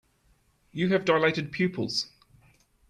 You have dilated pupils.